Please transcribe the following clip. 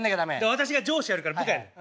私が上司やるから部下やって。